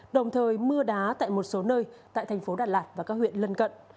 đồng thời mưa đá tại một số nơi tại thành phố đà lạt và các huyện lân cận